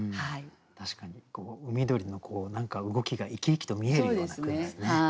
確かに海鳥の動きが生き生きと見えるような句ですね。